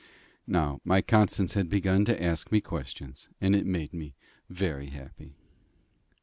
Now my Constance had begun to ask me questions, and it made me very happy.